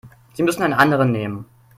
Sie müssen einen anderen nehmen.